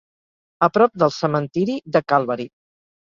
a prop del cementiri de Calvary.